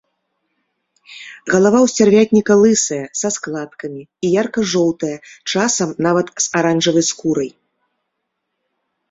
Галава ў сцярвятніка лысая, са складкамі, і ярка-жоўтая, часам нават з аранжавай скурай.